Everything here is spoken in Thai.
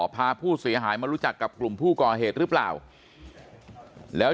พาผู้เสียหายมารู้จักกับกลุ่มผู้ก่อเหตุหรือเปล่าแล้ว